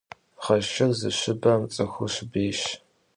Гъэшыр зыщыбэм цӀыхур щыбейщ.